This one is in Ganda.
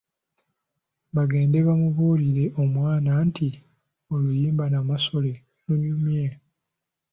Bagende bamubuulire Omwana Nti oluyimba " Namasole " lunyumye!